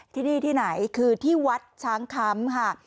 ที่นี่ที่ไหนคือที่วัดช้างคำค่ะ